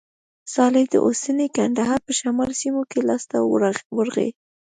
صالح د اوسني کندهار په شمالي سیمو کې لاسته ورغی.